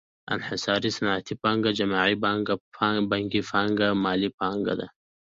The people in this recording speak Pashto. انحصاري صنعتي پانګه جمع بانکي پانګه مالي پانګه ده